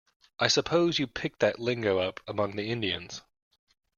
I suppose you picked that lingo up among the Indians.